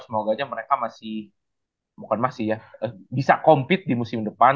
semoga aja mereka masih bisa kompit di musim depan